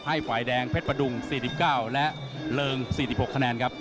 ให้ฝ่ายแดงเพชรประดุง๔๙และเริง๔๖คะแนนครับ